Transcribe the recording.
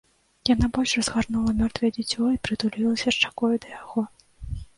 Яна больш разгарнула мёртвае дзіцё і прытулілася шчакою да яго.